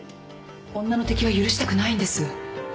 女の敵は許したくないんです。